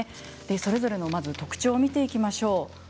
それぞれの特徴を見ていきましょう。